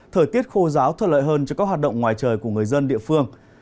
thời tiết khô giáo thuận lợi hơn cho các hoạt động ngoài trời của người dân địa phương